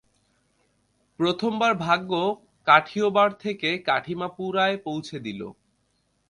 প্রথমবার ভাগ্য কাঠিয়বাড় থেকে কামাঠিপুরায় পৌছে দিলো।